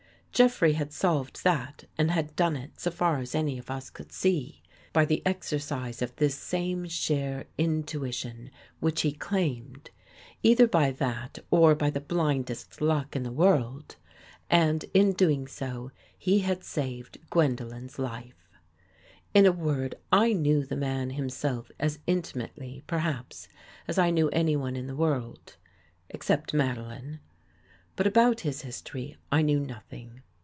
Jeffrey had solved that and had done it, so far as any of us could see, by 15 THE GHOST GIRL the exercise of this same sheer intuition, which he claimed. Either by that, or by the blindest luck in the world. And, in doing so, he had saved Gwen dolen's life. In a word, I knew the man himself as intimately, perhaps, as I knew anyone in the world, except Madeline. But, about his history, I knew nothing.